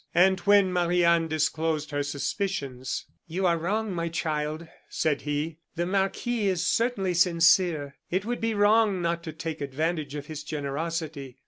And when Marie Anne disclosed her suspicions: "You are wrong, my child," said he; "the Marquis is certainly sincere. It would be wrong not to take advantage of his generosity.